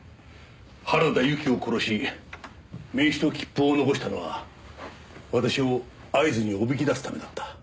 原田由紀を殺し名刺と切符を残したのは私を会津におびき出すためだった。